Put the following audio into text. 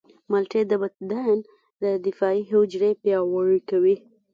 مالټې د بدن دفاعي حجرې پیاوړې کوي.